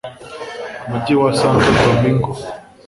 mugi wa santo domingo